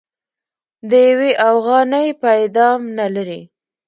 د يوې اوغانۍ پيدام نه لري.